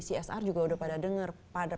csr juga udah pada dengar